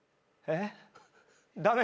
えっ？